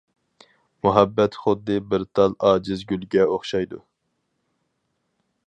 مۇھەببەت خۇددى بىر تال ئاجىز گۈلگە ئوخشايدۇ.